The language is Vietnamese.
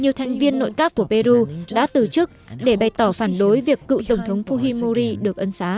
nhiều thành viên nội các của peru đã từ chức để bày tỏ phản đối việc cựu tổng thống fuhimori được ân xá